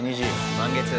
満月。